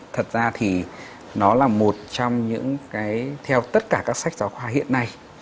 thật ra thì nó là một trong những cái theo tất cả các sách giáo khoa hiện nay